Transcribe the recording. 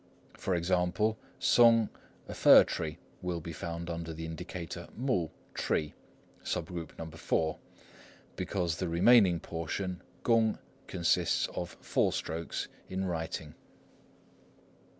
For instance, 松 "a fir tree" will be found under the indicator 木 "tree," sub group No. 4, because the remaining portion 公 consists of four strokes in writing.